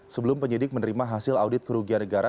sebelum penyidik menerima hasil audit kerugian negara